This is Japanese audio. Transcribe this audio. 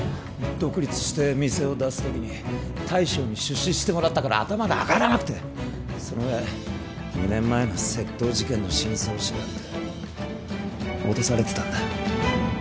独立して店を出す時に大将に出資してもらったから頭が上がらなくてその上２年前の窃盗事件の真相を知られて脅されてたんだ